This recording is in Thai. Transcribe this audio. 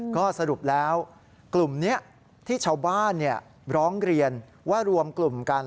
ก็สรุปแล้วกลุ่มนี้ที่ชาวบ้านร้องเรียนว่ารวมกลุ่มกัน